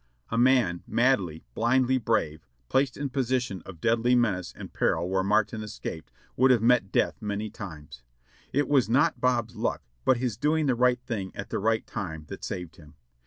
A man madly, blindly brave, placed in position of deadly menace and peril where Martin escaped, would have met death many times. It was not Bob's luck, but his doing the right thing at the right time that saved him.